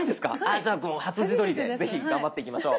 じゃあ初自撮りで是非頑張っていきましょう。